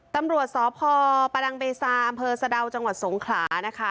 ตำรวจสพประดังเบซาอำเภอสะดาวจังหวัดสงขลานะคะ